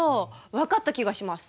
分かった気がします。